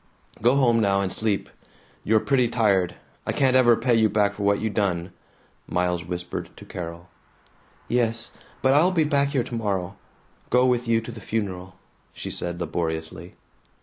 "Go home now and sleep. You're pretty tired. I can't ever pay you back for what you done," Miles whispered to Carol. "Yes. But I'll be back here tomorrow. Go with you to the funeral," she said laboriously.